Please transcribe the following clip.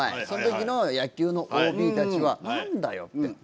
その時の野球のＯＢたちは何だよって。